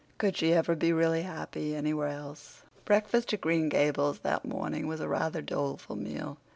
Could she ever be really happy anywhere else? Breakfast at Green Gables that morning was a rather doleful meal.